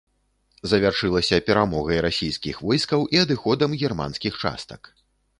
Завяршылася перамогай расійскіх войскаў і адыходам германскіх частак.